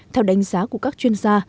theo đánh giá của các chuyên gia